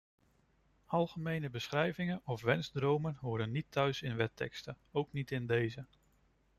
Algemene beschrijvingen of wensdromen horen niet thuis in wetteksten, ook niet in deze.